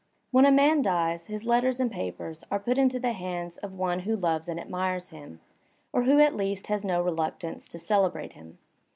When a man dies, his letters and papers are put into the hands of one who loves and admires him, or who at least has no reluctance to celebrate him.